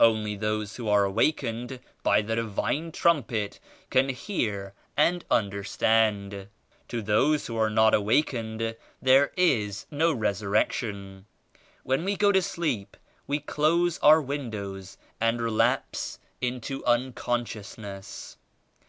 Only those who are awakened by the Divine Trumpet can hear and understand. To those who are not awakened there is no Resurrection. When we go to sleep we close our windows and relapse into unconsciousness.